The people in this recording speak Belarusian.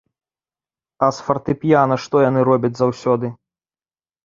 А з фартэпіяна што яны робяць заўсёды?